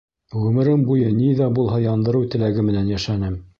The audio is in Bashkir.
Ғүмерем буйы ни ҙә булһа яндырыу теләге менән йәшәнем.